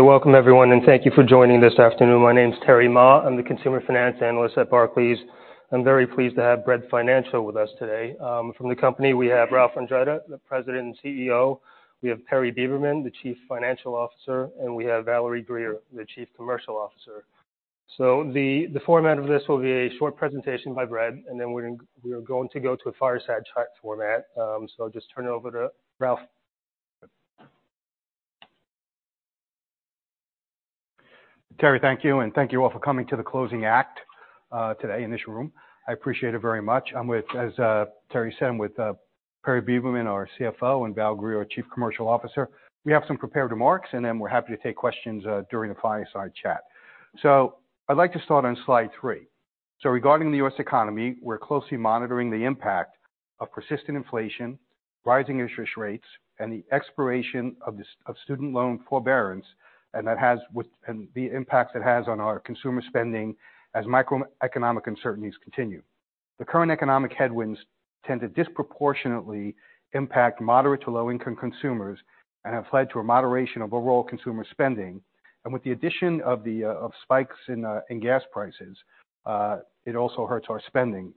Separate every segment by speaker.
Speaker 1: Welcome everyone, and thank you for joining this afternoon. My name is Terry Ma. I'm the consumer finance analyst at Barclays. I'm very pleased to have Bread Financial with us today. From the company, we have Ralph Andretta, the President and CEO. We have Perry Beberman, the Chief Financial Officer, and we have Valerie Greer, the Chief Commercial Officer. So the format of this will be a short presentation by Bread, and then we are going to go to a fireside chat format. So I'll just turn it over to Ralph.
Speaker 2: Terry, thank you, and thank you all for coming to the closing act today in this room. I appreciate it very much. I'm with, as Terry said, Perry Beberman, our CFO, and Valerie Greer, our Chief Commercial Officer. We have some prepared remarks, and then we're happy to take questions during the fireside chat. I'd like to start on slide three. Regarding the U.S. economy, we're closely monitoring the impact of persistent inflation, rising interest rates, and the expiration of student loan forbearance, and the impact it has on our consumer spending as macroeconomic uncertainties continue. The current economic headwinds tend to disproportionately impact moderate to low-income consumers and have led to a moderation of overall consumer spending. With the addition of the spikes in gas prices, it also hurts our spending.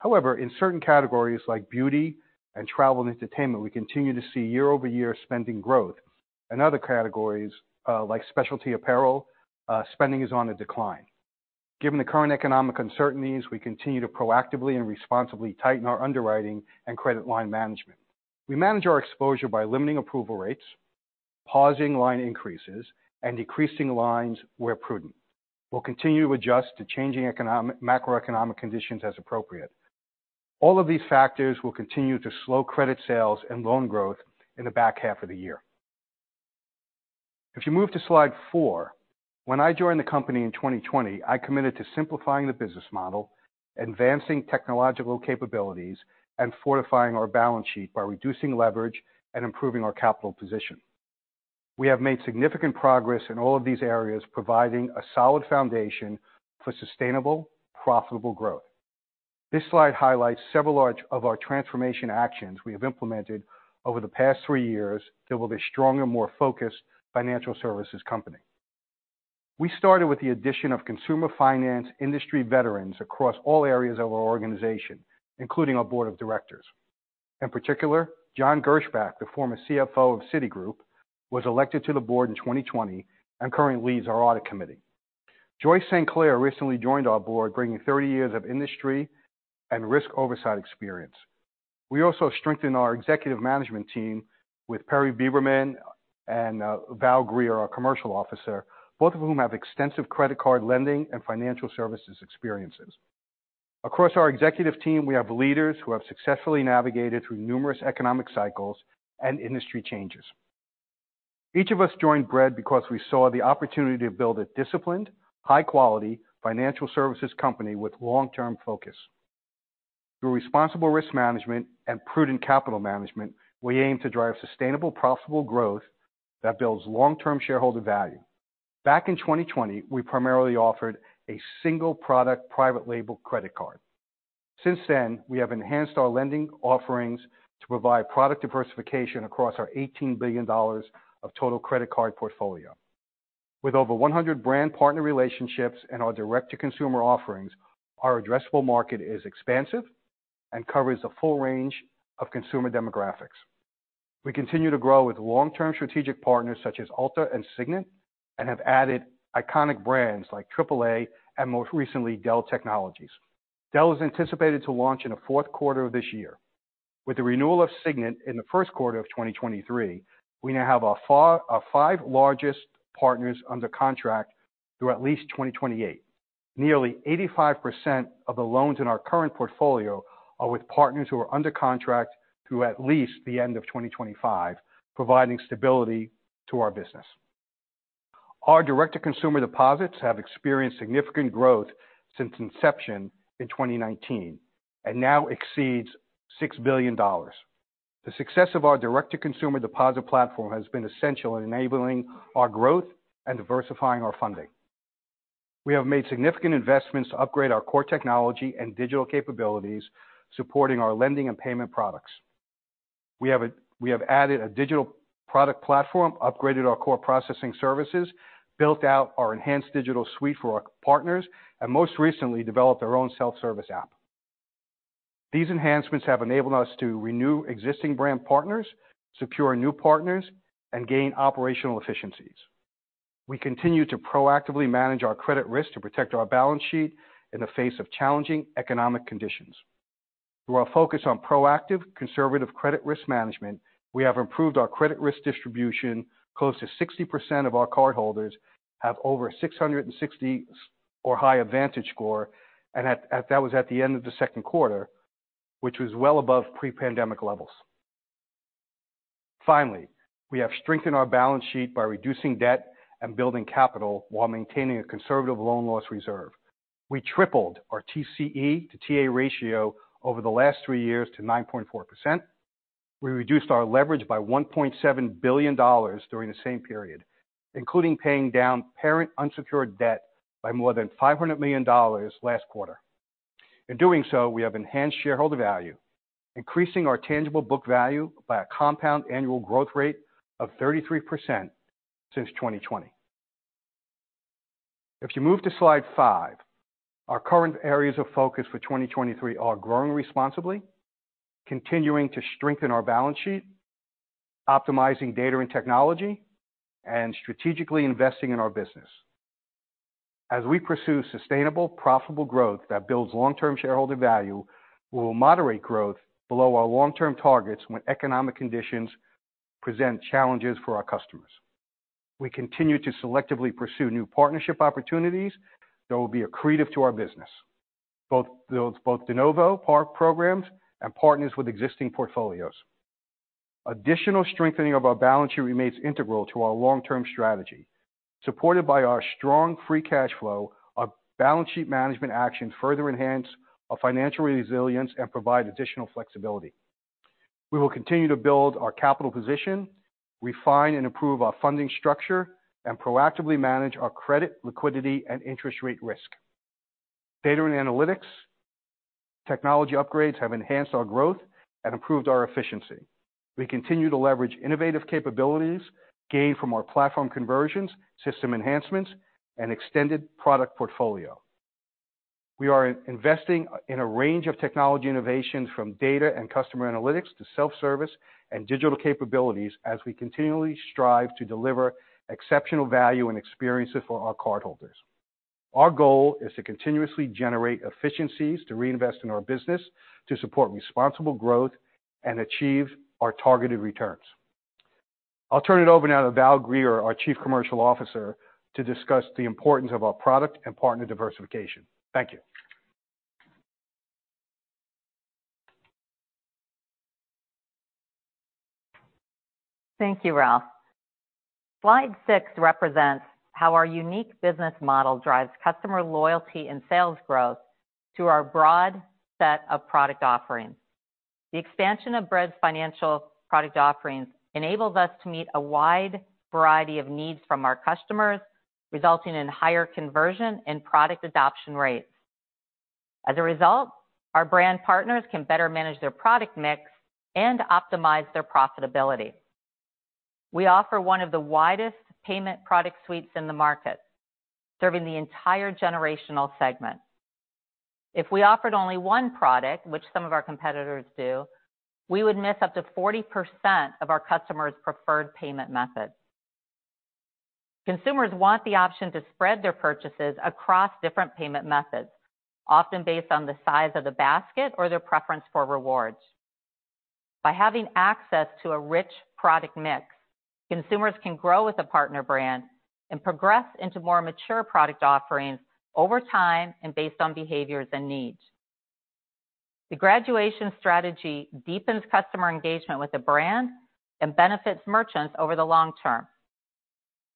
Speaker 2: However, in certain categories like beauty and travel and entertainment, we continue to see year-over-year spending growth. In other categories, like specialty apparel, spending is on a decline. Given the current economic uncertainties, we continue to proactively and responsibly tighten our underwriting and credit line management. We manage our exposure by limiting approval rates, pausing line increases, and decreasing lines where prudent. We'll continue to adjust to changing economic macroeconomic conditions as appropriate. All of these factors will continue to slow credit sales and loan growth in the back half of the year. If you move to slide four. When I joined the company in 2020, I committed to simplifying the business model, advancing technological capabilities, and fortifying our balance sheet by reducing leverage and improving our capital position. We have made significant progress in all of these areas, providing a solid foundation for sustainable, profitable growth. This slide highlights several of our large transformation actions we have implemented over the past three years to build a stronger, more focused financial services company. We started with the addition of consumer finance industry veterans across all areas of our organization, including our board of directors. In particular, John Gerspach, the former CFO of Citigroup, was elected to the board in 2020 and currently leads our audit committee. Joyce St. Clair recently joined our board, bringing 30 years of industry and risk oversight experience. We also strengthened our executive management team with Perry Beberman and, Val Greer, our commercial officer, both of whom have extensive credit card lending and financial services experiences. Across our executive team, we have leaders who have successfully navigated through numerous economic cycles and industry changes. Each of us joined Bread because we saw the opportunity to build a disciplined, high-quality financial services company with long-term focus. Through responsible risk management and prudent capital management, we aim to drive sustainable, profitable growth that builds long-term shareholder value. Back in 2020, we primarily offered a single product private label credit card. Since then, we have enhanced our lending offerings to provide product diversification across our $18 billion of total credit card portfolio. With over 100 brand partner relationships and our direct-to-consumer offerings, our addressable market is expansive and covers a full range of consumer demographics. We continue to grow with long-term strategic partners such as Ulta and Signet, and have added iconic brands like AAA and most recently, Dell Technologies. Dell is anticipated to launch in the fourth quarter of this year. With the renewal of Signet in the first quarter of 2023, we now have our five largest partners under contract through at least 2028. Nearly 85% of the loans in our current portfolio are with partners who are under contract through at least the end of 2025, providing stability to our business. Our direct-to-consumer deposits have experienced significant growth since inception in 2019 and now exceeds $6 billion. The success of our direct-to-consumer deposit platform has been essential in enabling our growth and diversifying our funding. We have made significant investments to upgrade our core technology and digital capabilities, supporting our lending and payment products. We have added a digital product platform, upgraded our core processing services, built out our enhanced digital suite for our partners, and most recently, developed our own self-service app. These enhancements have enabled us to renew existing brand partners, secure new partners, and gain operational efficiencies. We continue to proactively manage our credit risk to protect our balance sheet in the face of challenging economic conditions. Through our focus on proactive, conservative credit risk management, we have improved our credit risk distribution. Close to 60% of our cardholders have over 660 or higher VantageScore, and that was at the end of the second quarter, which was well above pre-pandemic levels. Finally, we have strengthened our balance sheet by reducing debt and building capital while maintaining a conservative loan loss reserve. We tripled our TCE to TA ratio over the last three years to 9.4%. We reduced our leverage by $1.7 billion during the same period, including paying down parent unsecured debt by more than $500 million last quarter. In doing so, we have enhanced shareholder value, increasing our tangible book value by a compound annual growth rate of 33% since 2020. If you move to slide five, our current areas of focus for 2023 are growing responsibly, continuing to strengthen our balance sheet, optimizing data and technology, and strategically investing in our business. As we pursue sustainable, profitable growth that builds long-term shareholder value, we will moderate growth below our long-term targets when economic conditions present challenges for our customers. We continue to selectively pursue new partnership opportunities that will be accretive to our business, both de novo programs and partners with existing portfolios. Additional strengthening of our balance sheet remains integral to our long-term strategy. Supported by our strong free cash flow, our balance sheet management actions further enhance our financial resilience and provide additional flexibility. We will continue to build our capital position, refine and improve our funding structure, and proactively manage our credit, liquidity, and interest rate risk. Data and analytics, technology upgrades have enhanced our growth and improved our efficiency. We continue to leverage innovative capabilities gained from our platform conversions, system enhancements, and extended product portfolio. We are investing in a range of technology innovations, from data and customer analytics to self-service and digital capabilities, as we continually strive to deliver exceptional value and experiences for our cardholders. Our goal is to continuously generate efficiencies, to reinvest in our business, to support responsible growth and achieve our targeted returns. I'll turn it over now to Val Greer, our Chief Commercial Officer, to discuss the importance of our product and partner diversification. Thank you.
Speaker 3: Thank you, Ralph. Slide six represents how our unique business model drives customer loyalty and sales growth through our broad set of product offerings. The expansion of Bread's financial product offerings enables us to meet a wide variety of needs from our customers, resulting in higher conversion and product adoption rates. As a result, our brand partners can better manage their product mix and optimize their profitability. We offer one of the widest payment product suites in the market, serving the entire generational segment. If we offered only one product, which some of our competitors do, we would miss up to 40% of our customers' preferred payment methods. Consumers want the option to spread their purchases across different payment methods, often based on the size of the basket or their preference for rewards. By having access to a rich product mix, consumers can grow with a partner brand and progress into more mature product offerings over time and based on behaviors and needs. The graduation strategy deepens customer engagement with the brand and benefits merchants over the long term.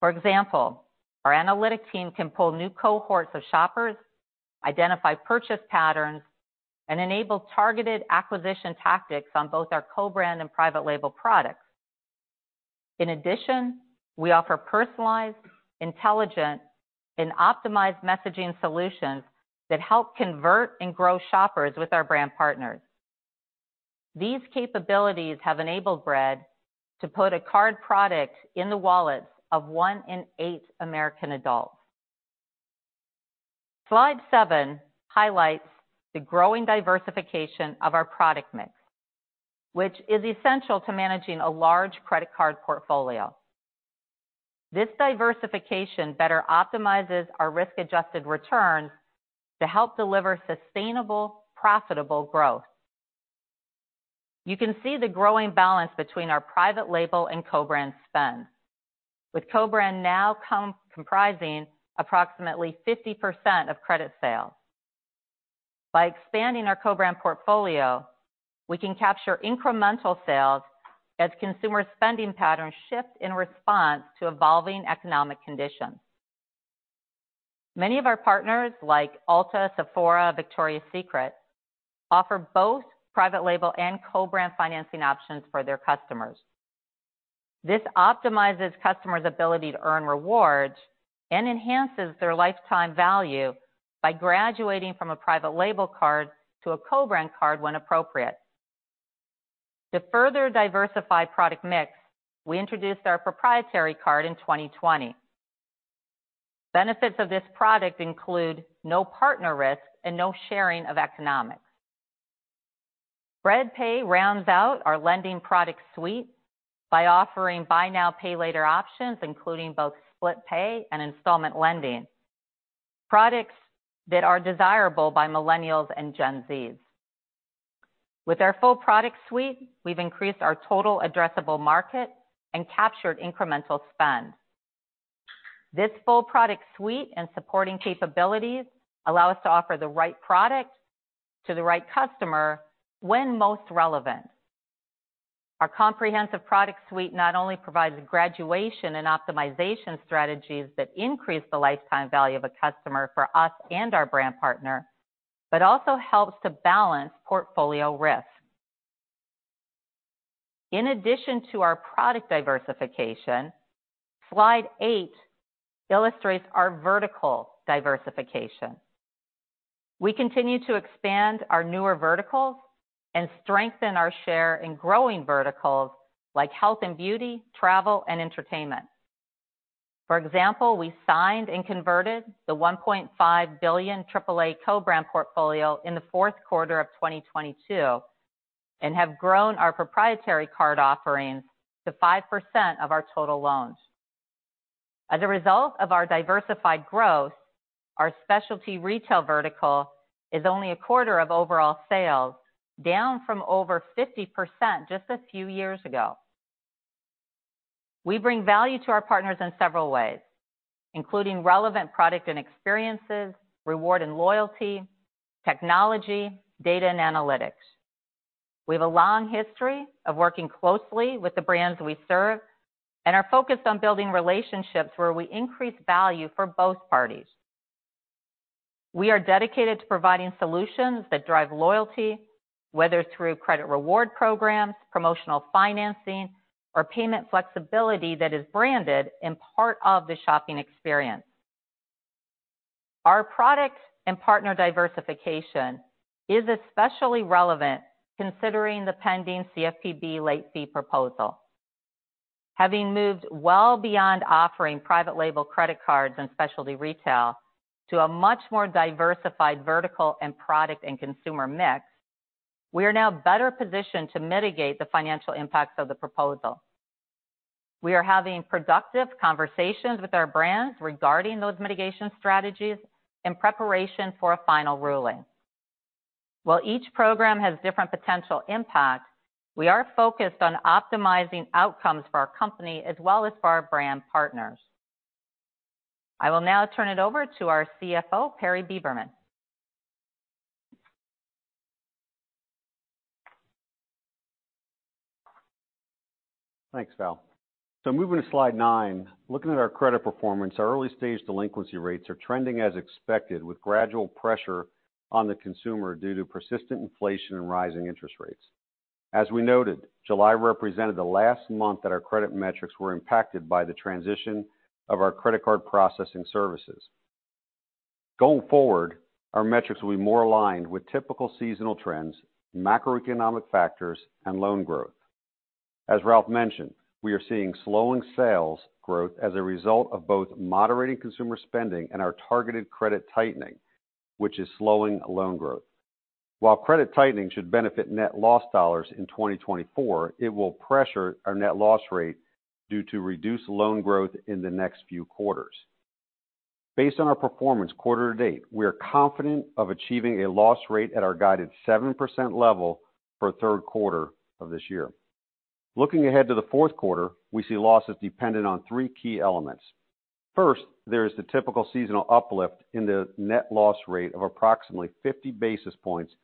Speaker 3: For example, our analytic team can pull new cohorts of shoppers, identify purchase patterns, and enable targeted acquisition tactics on both our co-brand and private label products. In addition, we offer personalized, intelligent, and optimized messaging solutions that help convert and grow shoppers with our brand partners. These capabilities have enabled Bread to put a card product in the wallets of one in eight American adults. Slide seven highlights the growing diversification of our product mix, which is essential to managing a large credit card portfolio. This diversification better optimizes our risk-adjusted returns to help deliver sustainable, profitable growth. You can see the growing balance between our private label and co-brand spend, with co-brand now comprising approximately 50% of credit sales. By expanding our co-brand portfolio, we can capture incremental sales as consumer spending patterns shift in response to evolving economic conditions. Many of our partners, like Ulta, Sephora, Victoria's Secret, offer both private label and co-brand financing options for their customers. This optimizes customers' ability to earn rewards and enhances their lifetime value by graduating from a private label card to a co-brand card when appropriate. To further diversify product mix, we introduced our proprietary card in 2020. Benefits of this product include no partner risk and no sharing of economics. Bread Pay rounds out our lending product suite by offering buy now, pay later options, including both SplitPay and installment lending, products that are desirable by millennials and Gen Zs. With our full product suite, we've increased our total addressable market and captured incremental spend. This full product suite and supporting capabilities allow us to offer the right product to the right customer when most relevant. Our comprehensive product suite not only provides graduation and optimization strategies that increase the lifetime value of a customer for us and our brand partner, but also helps to balance portfolio risk. In addition to our product diversification, slide 8 illustrates our vertical diversification. We continue to expand our newer verticals and strengthen our share in growing verticals like health and beauty, travel, and entertainment. For example, we signed and converted the $1.5 billion AAA co-brand portfolio in the fourth quarter of 2022, and have grown our proprietary card offerings to 5% of our total loans. As a result of our diversified growth, our specialty retail vertical is only a quarter of overall sales, down from over 50% just a few years ago. We bring value to our partners in several ways, including relevant product and experiences, reward and loyalty, technology, data, and analytics. We have a long history of working closely with the brands we serve and are focused on building relationships where we increase value for both parties. We are dedicated to providing solutions that drive loyalty, whether through credit reward programs, promotional financing, or payment flexibility that is branded and part of the shopping experience. Our product and partner diversification is especially relevant considering the pending CFPB late fee proposal. Having moved well beyond offering private label credit cards and specialty retail to a much more diversified vertical and product and consumer mix, we are now better positioned to mitigate the financial impacts of the proposal. We are having productive conversations with our brands regarding those mitigation strategies in preparation for a final ruling. While each program has different potential impacts, we are focused on optimizing outcomes for our company as well as for our brand partners. I will now turn it over to our CFO, Perry Beberman.
Speaker 4: Thanks, Val. So moving to slide nine. Looking at our credit performance, our early-stage delinquency rates are trending as expected, with gradual pressure on the consumer due to persistent inflation and rising interest rates. As we noted, July represented the last month that our credit metrics were impacted by the transition of our credit card processing services. Going forward, our metrics will be more aligned with typical seasonal trends, macroeconomic factors, and loan growth. As Ralph mentioned, we are seeing slowing sales growth as a result of both moderating consumer spending and our targeted credit tightening, which is slowing loan growth. While credit tightening should benefit net loss dollars in 2024, it will pressure our net loss rate due to reduced loan growth in the next few quarters. Based on our performance quarter to date, we are confident of achieving a loss rate at our guided 7% level for third quarter of this year. Looking ahead to the fourth quarter, we see losses dependent on three key elements. First, there is the typical seasonal uplift in the net loss rate of approximately 50 basis points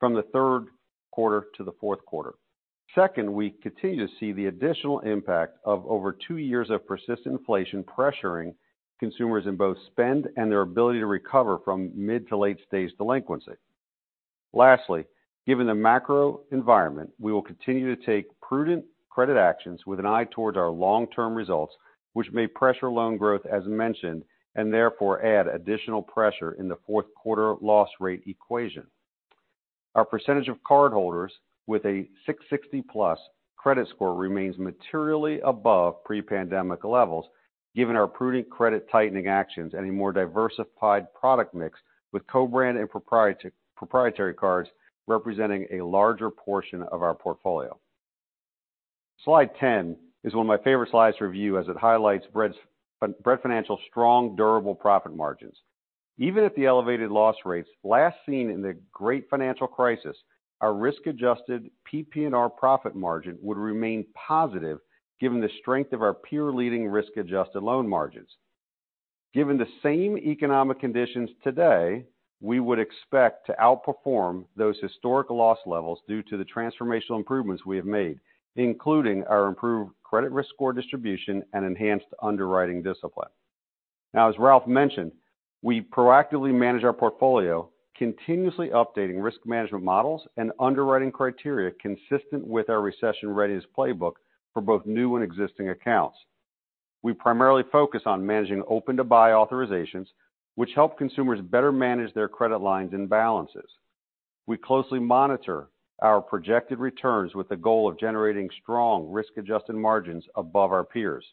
Speaker 4: from the third quarter to the fourth quarter. Second, we continue to see the additional impact of over two years of persistent inflation, pressuring consumers in both spend and their ability to recover from mid to late-stage delinquency. Lastly, given the macro environment, we will continue to take prudent credit actions with an eye towards our long-term results, which may pressure loan growth, as mentioned, and therefore add additional pressure in the fourth quarter loss rate equation. Our percentage of cardholders with a 660+ credit score remains materially above pre-pandemic levels, given our prudent credit tightening actions and a more diversified product mix, with co-brand and proprietary cards representing a larger portion of our portfolio. Slide 10 is one of my favorite slides to review, as it highlights Bread Financial's strong, durable profit margins. Even at the elevated loss rates last seen in the Great Financial Crisis, our risk-adjusted PPNR profit margin would remain positive, given the strength of our peer-leading risk-adjusted loan margins. Given the same economic conditions today, we would expect to outperform those historical loss levels due to the transformational improvements we have made, including our improved credit risk score distribution and enhanced underwriting discipline. Now, as Ralph mentioned, we proactively manage our portfolio, continuously updating risk management models and underwriting criteria consistent with our Recession Readiness Playbook for both new and existing accounts. We primarily focus on managing open-to-buy authorizations, which help consumers better manage their credit lines and balances. We closely monitor our projected returns with the goal of generating strong risk-adjusted margins above our peers.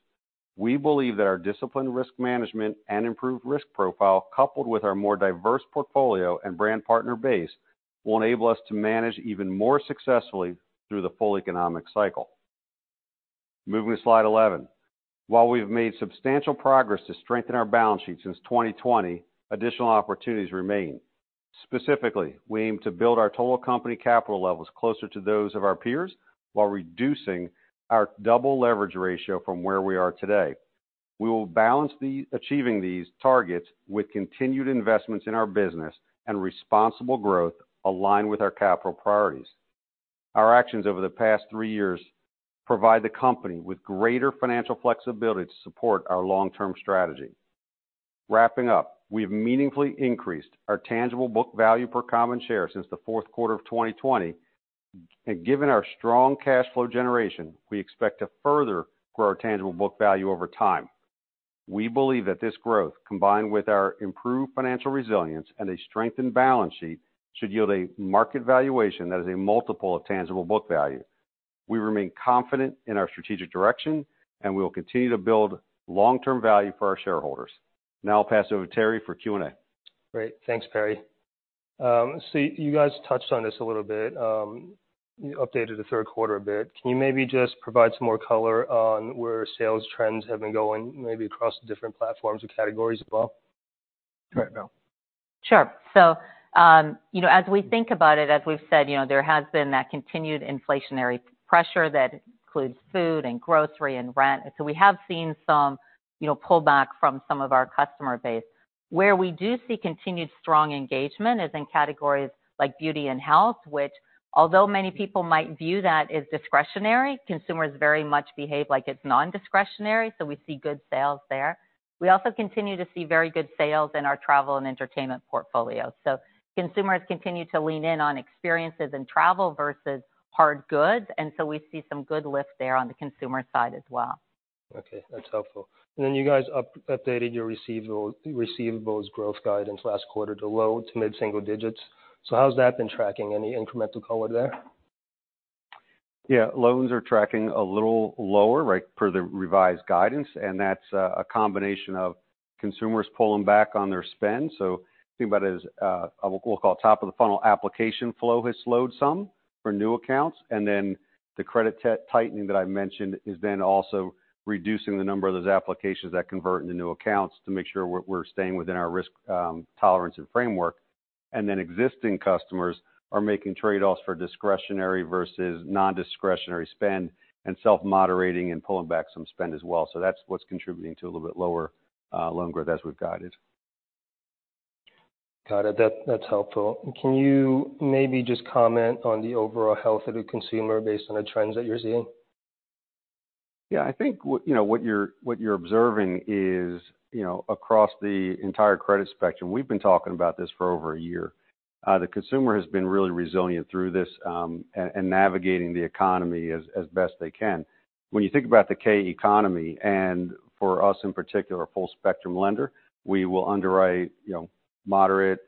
Speaker 4: We believe that our disciplined risk management and improved risk profile, coupled with our more diverse portfolio and brand partner base, will enable us to manage even more successfully through the full economic cycle. Moving to slide 11. While we've made substantial progress to strengthen our balance sheet since 2020, additional opportunities remain. Specifically, we aim to build our total company capital levels closer to those of our peers, while reducing our double leverage ratio from where we are today. We will balance achieving these targets with continued investments in our business and responsible growth aligned with our capital priorities. Our actions over the past three years provide the company with greater financial flexibility to support our long-term strategy. Wrapping up, we have meaningfully increased our tangible book value per common share since the fourth quarter of 2020, and given our strong cash flow generation, we expect to further grow our tangible book value over time. We believe that this growth, combined with our improved financial resilience and a strengthened balance sheet, should yield a market valuation that is a multiple of tangible book value. We remain confident in our strategic direction, and we will continue to build long-term value for our shareholders. Now I'll pass it over to Terry for Q&A.
Speaker 1: Great. Thanks, Perry. So you guys touched on this a little bit. You updated the third quarter a bit. Can you maybe just provide some more color on where sales trends have been going, maybe across the different platforms and categories as well?
Speaker 3: Sure. So, you know, as we think about it, as we've said, you know, there has been that continued inflationary pressure that includes food and grocery and rent. So we have seen some, you know, pullback from some of our customer base. Where we do see continued strong engagement is in categories like beauty and health, which although many people might view that as discretionary, consumers very much behave like it's nondiscretionary, so we see good sales there. We also continue to see very good sales in our travel and entertainment portfolio. So consumers continue to lean in on experiences and travel versus hard goods, and so we see some good lift there on the consumer side as well.
Speaker 1: Okay, that's helpful. And then you guys updated your receivables growth guidance last quarter to low to mid single digits. So how's that been tracking? Any incremental color there?
Speaker 4: Yeah. Loans are tracking a little lower, right, per the revised guidance, and that's a combination of consumers pulling back on their spend. So think about it as, we'll call top-of-the-funnel application flow has slowed some for new accounts, and then the credit tightening that I mentioned is then also reducing the number of those applications that convert into new accounts to make sure we're staying within our risk tolerance and framework. And then existing customers are making trade-offs for discretionary versus nondiscretionary spend and self-moderating and pulling back some spend as well. So that's what's contributing to a little bit lower loan growth as we've guided.
Speaker 1: Got it. That, that's helpful. Can you maybe just comment on the overall health of the consumer based on the trends that you're seeing?
Speaker 4: Yeah, I think what you're observing is, you know, across the entire credit spectrum. We've been talking about this for over a year. The consumer has been really resilient through this, and navigating the economy as best they can. When you think about the K Economy, and for us, in particular, a full-spectrum lender, we will underwrite, you know, moderate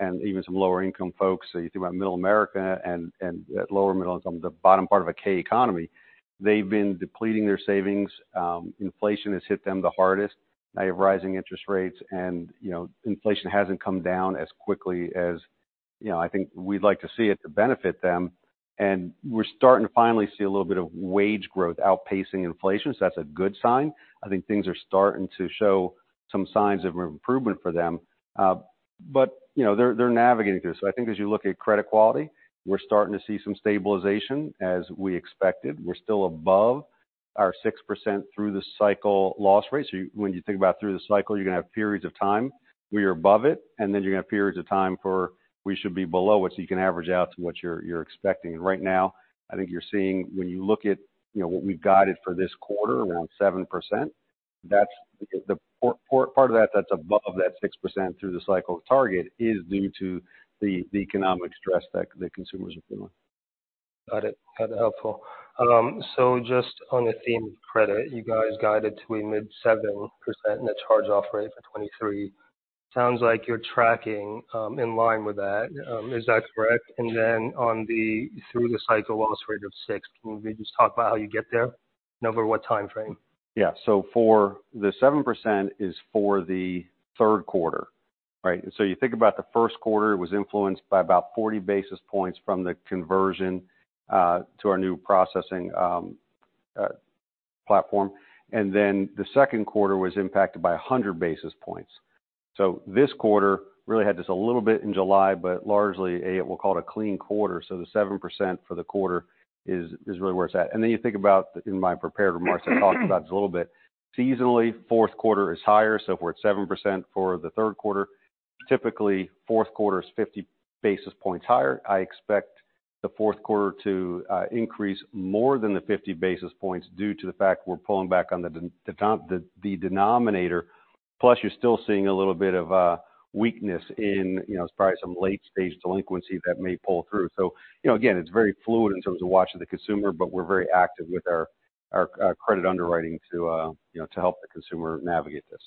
Speaker 4: and even some lower-income folks. So you think about Middle America and that lower middle income, the bottom part of a K-economy, they've been depleting their savings. Inflation has hit them the hardest. Now, you have rising interest rates, and, you know, inflation hasn't come down as quickly as, you know, I think we'd like to see it to benefit them. We're starting to finally see a little bit of wage growth outpacing inflation, so that's a good sign. I think things are starting to show some signs of improvement for them. But, you know, they're, they're navigating through this. So I think as you look at credit quality, we're starting to see some stabilization as we expected. We're still above our 6% through-the-cycle loss rate. So when you think about through-the-cycle, you're going to have periods of time where you're above it, and then you're going to have periods of time where we should be below it, so you can average out to what you're, you're expecting. Right now, I think you're seeing when you look at, you know, what we've guided for this quarter, around 7%, that's the part of that that's above that 6% through the cycle target is due to the economic stress that the consumers are feeling.
Speaker 1: Got it. That's helpful. So just on the theme of credit, you guys guided to a mid-7% in the charge-off rate for 2023. Sounds like you're tracking in line with that. Is that correct? And then on the through-the-cycle loss rate of six, can you maybe just talk about how you get there and over what time frame?
Speaker 4: Yeah. So for the 7% is for the third quarter, right? So you think about the first quarter, it was influenced by about 40 basis points from the conversion to our new processing platform. And then the second quarter was impacted by 100 basis points. So this quarter really had just a little bit in July, but largely we'll call it a clean quarter, so the 7% for the quarter is really where it's at. And then you think about, in my prepared remarks, I talked about this a little bit. Seasonally, fourth quarter is higher, so if we're at 7% for the third quarter, typically fourth quarter is 50 basis points higher. I expect the fourth quarter to increase more than the 50 basis points due to the fact we're pulling back on the denominator. Plus, you're still seeing a little bit of a weakness in, you know, probably some late-stage delinquency that may pull through. So, you know, again, it's very fluid in terms of watch of the consumer, but we're very active with our credit underwriting to, you know, to help the consumer navigate this.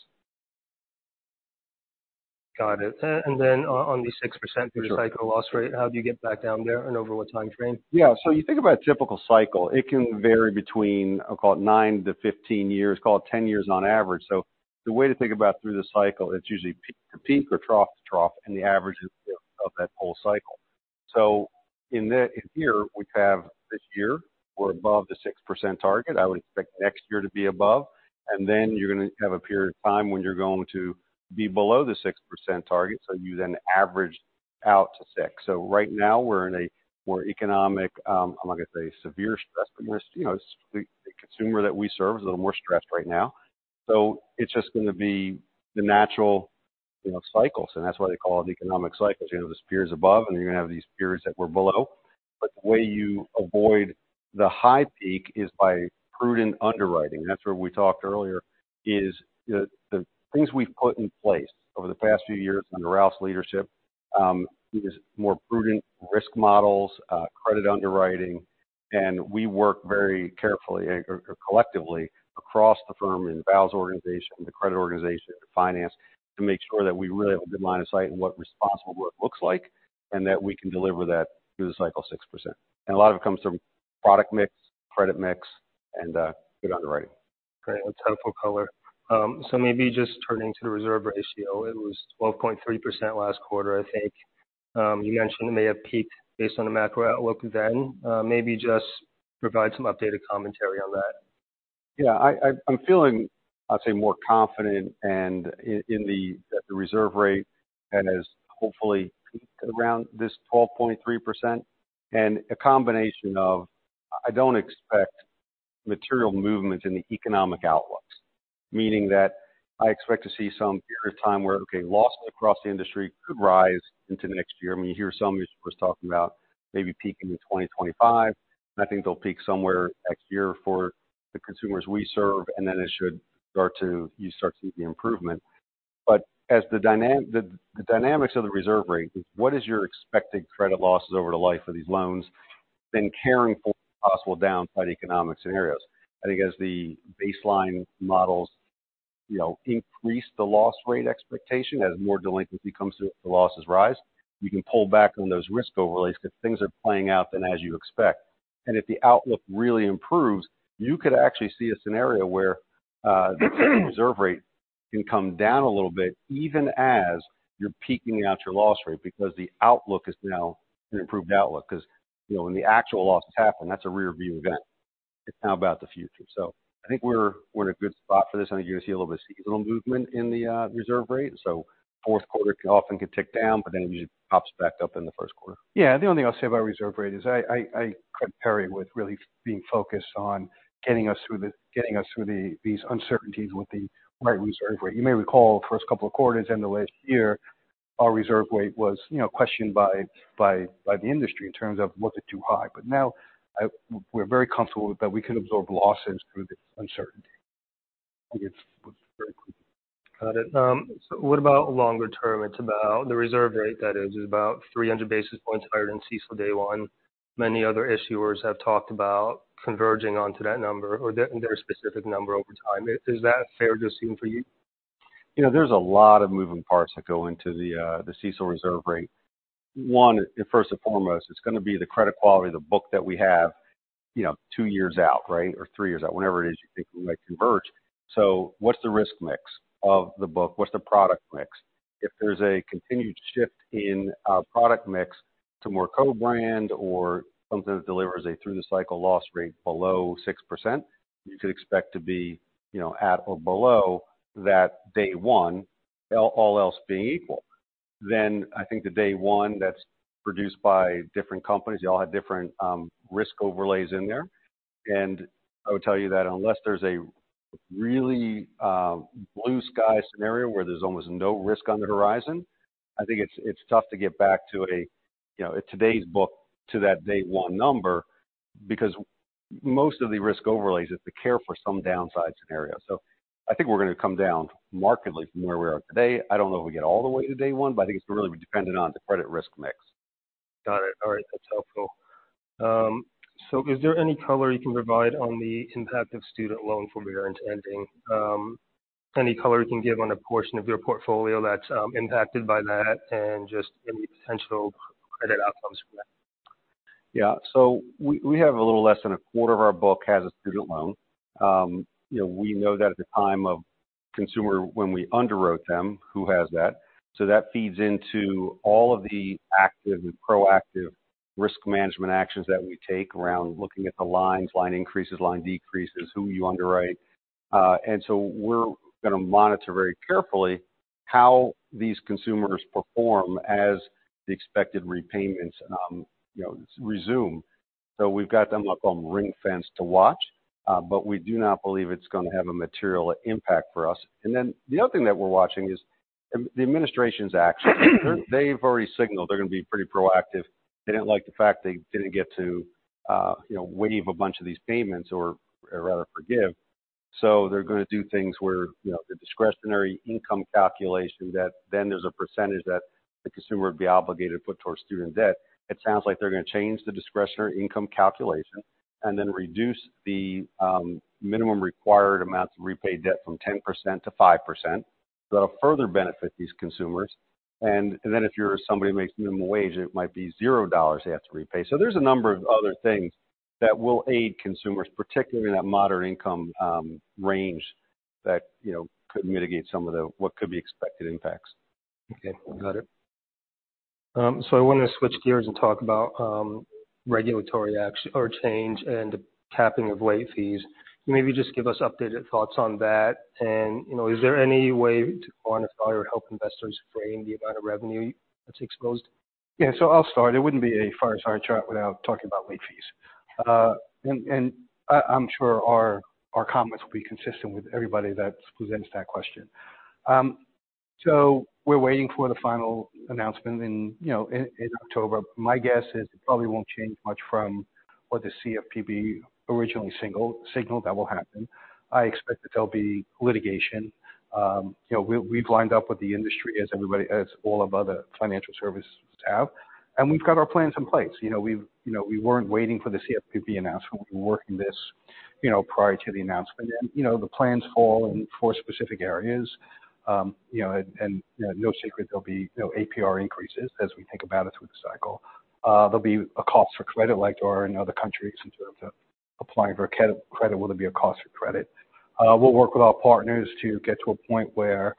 Speaker 1: Got it. And then on the 6% through the cycle loss rate, how do you get back down there and over what time frame?
Speaker 4: Yeah. So you think about a typical cycle, it can vary between, I'll call it, nine to 15 years, call it 10 years on average. So the way to think about through the cycle, it's usually peak to peak or trough to trough, and the average is of that whole cycle. So in the-- in here, we have this year, we're above the 6% target. I would expect next year to be above, and then you're going to have a period of time when you're going to be below the 6% target, so you then average out to 6%. So right now we're in a more economic, I'm not going to say severe stress, but we're, you know, the consumer that we serve is a little more stressed right now. So it's just going to be the natural. You know, cycles, and that's why they call it economic cycles. You know, there's periods above, and you're gonna have these periods that we're below. But the way you avoid the high peak is by prudent underwriting. That's where we talked earlier, is the, the things we've put in place over the past few years under Ralph's leadership, is more prudent risk models, credit underwriting. And we work very carefully and collectively across the firm, in Val's organization, the credit organization, finance, to make sure that we really have a good line of sight in what responsible work looks like, and that we can deliver that through the cycle 6%. And a lot of it comes from product mix, credit mix, and good underwriting.
Speaker 1: Great. That's helpful color. So maybe just turning to the reserve ratio, it was 12.3% last quarter, I think. You mentioned it may have peaked based on the macro outlook then. Maybe just provide some updated commentary on that.
Speaker 4: Yeah, I'm feeling, I'd say, more confident in that the reserve rate has hopefully peaked around this 12.3%. And a combination of, I don't expect material movements in the economic outlooks, meaning that I expect to see some period of time where, okay, losses across the industry could rise into next year. I mean, you hear someone was talking about maybe peaking in 2025. I think they'll peak somewhere next year for the consumers we serve, and then it should start to, you start to see the improvement. But as the dynamics of the reserve rate, what is your expected credit losses over the life of these loans than carrying for possible downside economic scenarios? I think as the baseline models, you know, increase the loss rate expectation, as more delinquency comes through, the losses rise. You can pull back on those risk overlays if things are playing out as you expect. And if the outlook really improves, you could actually see a scenario where the reserve rate can come down a little bit, even as you're peaking out your loss rate, because the outlook is now an improved outlook. Because, you know, when the actual losses happen, that's a rearview event. It's now about the future. So I think we're in a good spot for this. I think you're gonna see a little bit of seasonal movement in the reserve rate. So fourth quarter often could tick down, but then it usually pops back up in the first quarter.
Speaker 2: Yeah. The only thing I'll say about reserve rate is I credit Perry with really being focused on getting us through the uncertainties with the right reserve rate. You may recall, first couple of quarters in the last year, our reserve rate was, you know, questioned by the industry in terms of was it too high. But now we're very comfortable with that. We can absorb losses through this uncertainty.
Speaker 1: I think it's very quick. Got it. So what about longer term? It's about the reserve rate, that is, is about 300 basis points higher than CECL day one. Many other issuers have talked about converging onto that number or their specific number over time. Is that a fair guessing for you?
Speaker 4: You know, there's a lot of moving parts that go into the, the CECL reserve rate. One, first and foremost, it's gonna be the credit quality of the book that we have, you know, two years out, right? Or three years out, whenever it is you think we might converge. So what's the risk mix of the book? What's the product mix? If there's a continued shift in, product mix to more co-brand or something that delivers a through the cycle loss rate below 6%, you could expect to be, you know, at or below that day one, all else being equal. Then I think the day one that's produced by different companies, you all have different, risk overlays in there. I would tell you that unless there's a really blue-sky scenario where there's almost no risk on the horizon, I think it's tough to get back to a, you know, today's book to that day one number, because most of the risk overlays is to care for some downside scenario. So I think we're going to come down markedly from where we are today. I don't know if we get all the way to day one, but I think it's really dependent on the credit risk mix.
Speaker 1: Got it. All right. That's helpful. Is there any color you can provide on the impact of student loan forbearance ending? Any color you can give on a portion of your portfolio that's impacted by that and just any potential credit outcomes from that?
Speaker 4: Yeah. So we have a little less than a quarter of our book has a student loan. You know, we know that at the time of consumer, when we underwrote them, who has that? So that feeds into all of the active and proactive risk management actions that we take around looking at the lines, line increases, line decreases, who you underwrite. And so we're going to monitor very carefully how these consumers perform as the expected repayments, you know, resume. So we've got them up on ring fence to watch, but we do not believe it's going to have a material impact for us. And then the other thing that we're watching is the administration's action. They've already signaled they're going to be pretty proactive. They didn't like the fact they didn't get to, you know, waive a bunch of these payments or, rather, forgive. So they're going to do things where, you know, the discretionary income calculation, that then there's a percentage that the consumer would be obligated to put towards student debt. It sounds like they're going to change the discretionary income calculation and then reduce the minimum required amounts of repaid debt from 10% to 5%. So that'll further benefit these consumers. And then if you're somebody who makes minimum wage, it might be zero dollar they have to repay. So there's a number of other things that will aid consumers, particularly in that moderate income range, that, you know, could mitigate some of the what could be expected impacts.
Speaker 1: Okay, got it. So I wanted to switch gears and talk about regulatory action or change and the capping of late fees. Maybe just give us updated thoughts on that. You know, is there any way to quantify or help investors frame the amount of revenue that's exposed?
Speaker 2: Yeah, so I'll start. It wouldn't be a Fireside Chat without talking about late fees and I, I'm sure our comments will be consistent with everybody that's presents that question. So we're waiting for the final announcement in, you know, October. My guess is it probably won't change much from what the CFPB originally signaled that will happen. I expect that there'll be litigation. You know, we've lined up with the industry as all of other financial services have, and we've got our plans in place. You know, we weren't waiting for the CFPB announcement. We've been working this, you know, prior to the announcement. And, you know, the plans fall in four specific areas. You know, no secret there'll be, you know, APR increases as we think about it through the cycle. There'll be a cost for credit like there are in other countries in terms of applying for a credit. Will there be a cost for credit? We'll work with our partners to get to a point where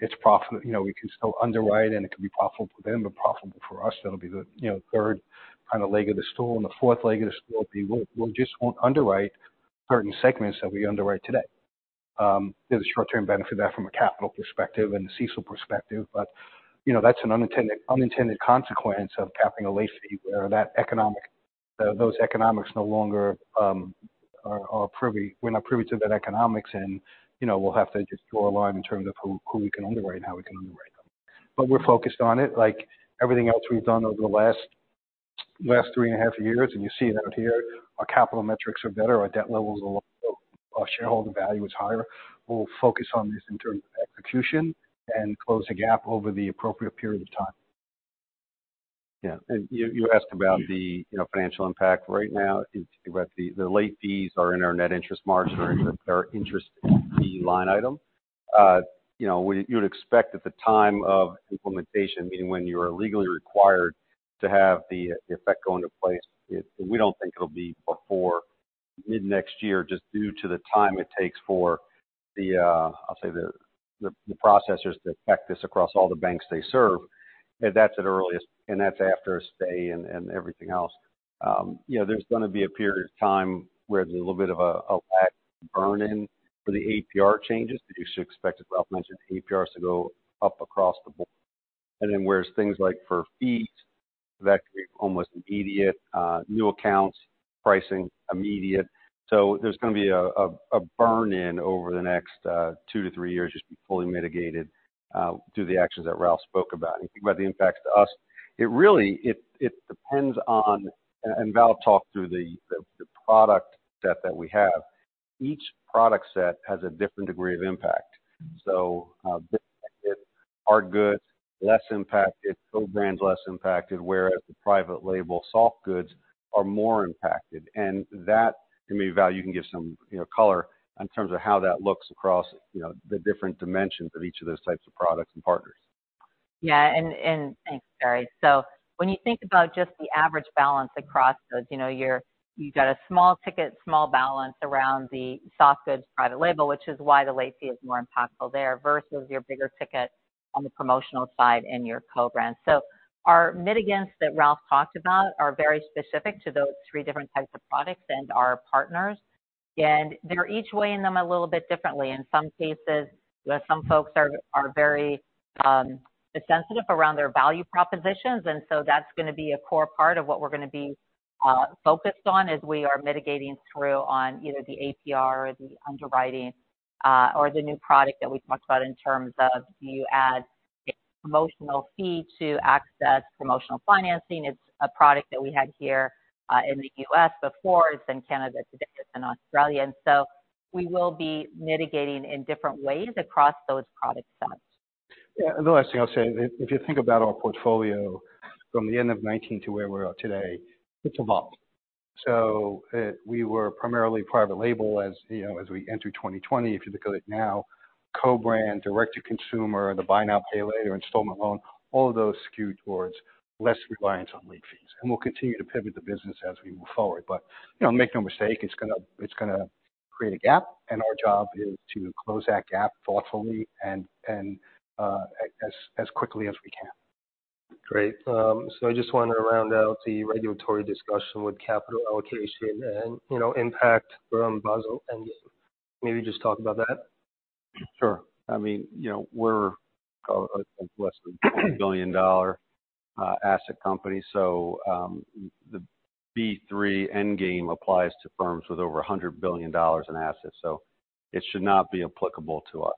Speaker 2: it's profitable—you know, we can still underwrite, and it can be profitable for them and profitable for us. That'll be the third kind of leg of the stool. The fourth leg of the stool will be we just won't underwrite certain segments that we underwrite today. There's a short-term benefit of that from a capital perspective and a CECL perspective, but you know, that's an unintended consequence of capping late fees, where that economic, those economics no longer are viable. We're not privy to that economics, and, you know, we'll have to just draw a line in terms of who we can underwrite and how we can underwrite them. But we're focused on it, like everything else we've done over the last three and a half years, and you see that here. Our capital metrics are better, our debt levels are lower, our shareholder value is higher. We'll focus on this in terms of execution and close the gap over the appropriate period of time.
Speaker 4: Yeah. And you asked about the, you know, financial impact. Right now, it's about the late fees are in our net interest margin, or our interest fee line item. You know, you would expect at the time of implementation, meaning when you are legally required to have the effect go into place, it, we don't think it'll be before mid-next year, just due to the time it takes for the, I'll say, the processors to affect this across all the banks they serve. That's at earliest, and that's after a stay and everything else. You know, there's going to be a period of time where there's a little bit of a lag burn-in for the APR changes. You should expect, as Ralph mentioned, APRs to go up across the board. And then, whereas things like for fees that could be almost immediate, new accounts, pricing, immediate. So there's going to be a burn-in over the next two to three years, just to be fully mitigated through the actions that Ralph spoke about. If you think about the impacts to us, it really depends on... And Val will talk through the product set that we have. Each product set has a different degree of impact. So, hard goods, less impacted, co-brands, less impacted, whereas the private label soft goods are more impacted. And maybe, Val, you can give some, you know, color in terms of how that looks across, you know, the different dimensions of each of those types of products and partners.
Speaker 3: Yeah, and, and thanks, Perry. So when you think about just the average balance across those, you know, you've got a small ticket, small balance around the soft goods private label, which is why the late fee is more impactful there, versus your bigger ticket on the promotional side and your co-brand. So our mitigants that Ralph talked about are very specific to those three different types of products and our partners, and they're each weighing them a little bit differently. In some cases, some folks are very sensitive around their value propositions, and so that's going to be a core part of what we're going to be focused on as we are mitigating through on either the APR or the underwriting, or the new product that we've talked about in terms of do you add a promotional fee to access promotional financing? It's a product that we had here, in the US before. It's in Canada today, it's in Australia. And so we will be mitigating in different ways across those product sets.
Speaker 2: Yeah, and the last thing I'll say, if you think about our portfolio from the end of 2019 to where we're at today, it's evolved. So, we were primarily private label, as, you know, as we enter 2020. If you look at it now, co-brand, direct to consumer, the buy now, pay later, installment loan, all of those skew towards less reliance on late fees. And we'll continue to pivot the business as we move forward, but, you know, make no mistake, it's going to, it's going to create a gap, and our job is to close that gap thoughtfully and as quickly as we can.
Speaker 1: Great. So I just want to round out the regulatory discussion with capital allocation and, you know, impact from Basel and maybe just talk about that.
Speaker 4: Sure. I mean, you know, we're less than a $1 billion asset company, so, the B3 Endgame applies to firms with over $100 billion in assets, so it should not be applicable to us.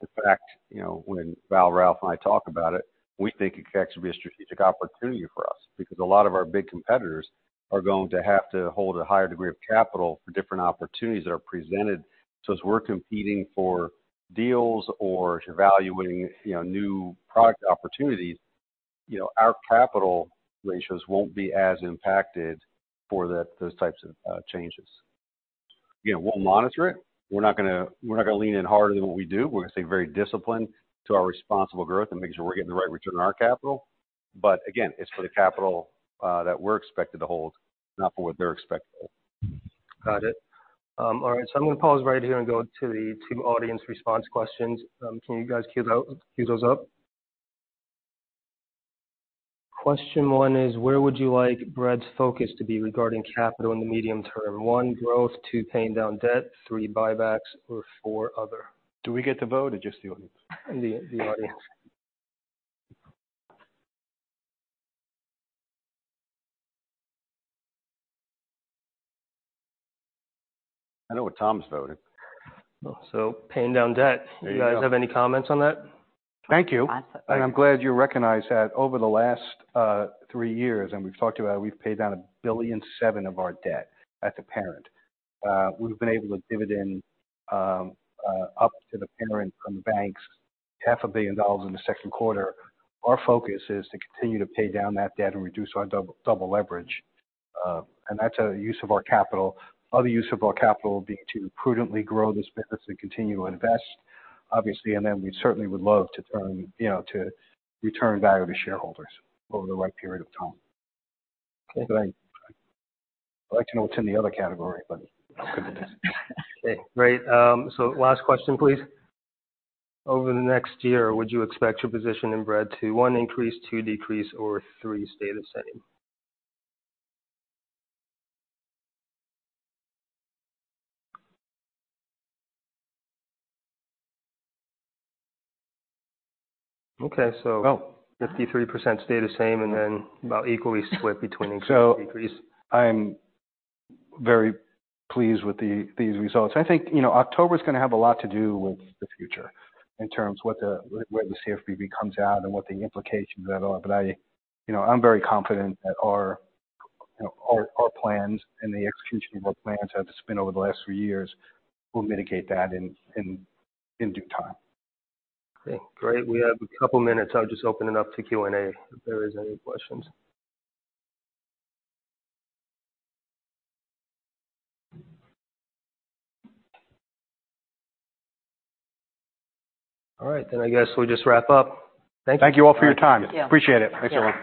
Speaker 4: In fact, you know, when Val, Ralph, and I talk about it, we think it could actually be a strategic opportunity for us because a lot of our big competitors are going to have to hold a higher degree of capital for different opportunities that are presented. So as we're competing for deals or evaluating, you know, new product opportunities, you know, our capital ratios won't be as impacted for that, those types of changes. You know, we'll monitor it. We're not going to, we're not going to lean in harder than what we do. We're going to stay very disciplined to our responsible growth and make sure we're getting the right return on our capital. But again, it's for the capital that we're expected to hold, not for what they're expected to hold.
Speaker 1: Got it. All right, so I'm going to pause right here and go to the two audience response questions. Can you guys queue those, queue those up? Question one is: Where would you like Bread's focus to be regarding capital in the medium term? One, growth, two, paying down debt, three, buybacks, or four, other.
Speaker 4: Do we get to vote or just the audience?
Speaker 1: The audience.
Speaker 2: I know what Tom's voting.
Speaker 1: Paying down debt.
Speaker 2: There you go.
Speaker 1: You guys have any comments on that?
Speaker 2: Thank you. And I'm glad you recognize that over the last three years, and we've talked about, we've paid down $1.7 billion of our debt as a parent. We've been able to dividend up to the parent from the banks $500 million in the second quarter. Our focus is to continue to pay down that debt and reduce our double leverage. And that's a use of our capital. Other use of our capital being to prudently grow this business and continue to invest, obviously, and then we certainly would love to turn, you know, to return value to shareholders over the right period of time.
Speaker 1: Okay.
Speaker 2: I'd like to know what's in the other category, but good it is.
Speaker 1: Okay, great. So last question, please. Over the next year, would you expect your position in Bread to, one, increase, two, decrease, or three, stay the same? Okay, so-
Speaker 2: Well. 53% stay the same, and then about equally split between increase, decrease. So I'm very pleased with these results. I think, you know, October is gonna have a lot to do with the future in terms of what the... where the CFPB comes out and what the implications of that are. But I, you know, I'm very confident that our, you know, our, our plans and the execution of our plans have been over the last three years, will mitigate that in, in, in due time.
Speaker 1: Okay, great. We have a couple of minutes. I'll just open it up to Q&A, if there is any questions. All right, then I guess we'll just wrap up. Thank you.
Speaker 2: Thank you all for your time.
Speaker 3: Yeah.
Speaker 2: Appreciate it. Thanks, everyone.